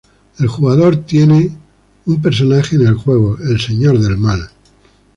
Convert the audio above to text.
El jugador tiene un personaje en el juego, el Señor del Mal.